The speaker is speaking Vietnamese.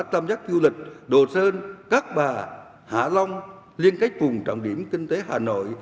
tâm giác du lịch đồ sơn cát bà hạ long liên kết vùng trọng điểm kinh tế hà nội